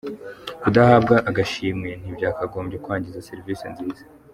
Kudahabwa agashimwe ntibyakagombye kwangiza serivisi nziza